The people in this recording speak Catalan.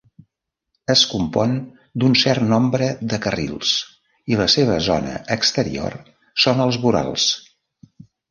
Es compon d'un cert nombre de carrils i la seva zona exterior són els vorals.